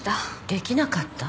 できなかった？